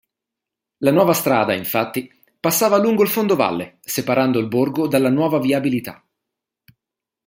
La nuova strada, infatti, passava lungo il fondovalle separando il borgo dalla nuova viabilità.